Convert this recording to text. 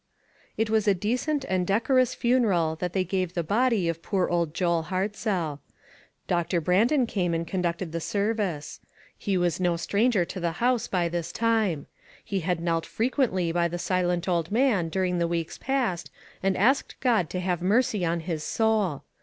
It was a decent and decorous funeral that they gave the body of poor old Joel Hart "WHERE is JOHN?" 475 zell. Doctor Brandon came and conducted the service. He was no stranger to the house by this time. He hud knelt frequently by the silent old man during the weeks past, and asked God to have mercy on his soul.